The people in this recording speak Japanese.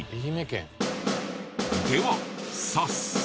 では早速。